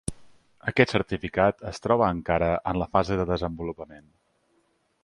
Aquest certificat es troba encara en la fase de desenvolupament.